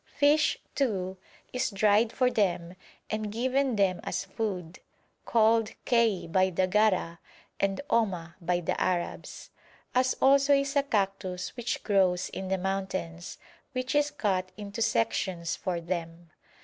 Fish, too, is dried for them and given them as food (called kei by the Gara and ohma by the Arabs), as also is a cactus which grows in the mountains, which is cut into sections for them.